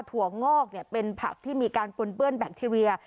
ถั่วงอกเนี่ยเป็นผักที่มีการปุ่นเปื้อนแบคทีเรีย